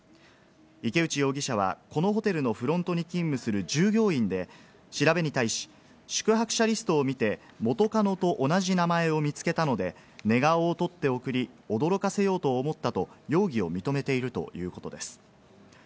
池内容疑者はこのホテルのフロントに勤務する従業員で、調べに対し、宿泊者リストを見て、元カノと同じ名前を見つけたので、寝顔を撮って送り、驚かせようと思ったと容疑を認めているということです。